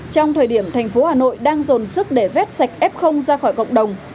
trong thời điểm thành phố hà nội đang dồn sức để vết sạch f ra khỏi cộng đồng